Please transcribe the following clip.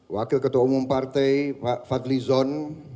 wakil ketua umum partai pak fadli zon